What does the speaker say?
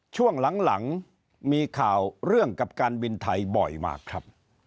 ช่วงหลังมีข่าวเรื่องกับการบินไทยบ่อยมากครับ